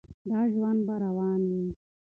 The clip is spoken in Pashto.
دا ژوند به روان وي.